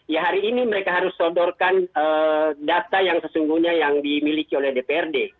ya hari ini mereka harus sodorkan data yang sesungguhnya yang dimiliki oleh dprd